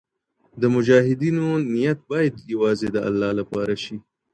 د مجاهدینو نیت باید یوازي د الله دپاره سي.